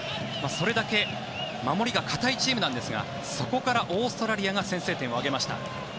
それだけ守りが堅いチームなんですがそこからオーストラリアが先制点を挙げました。